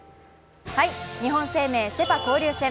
日本生命セ・パ交流戦。